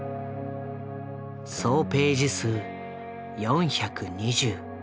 総ページ数４２０。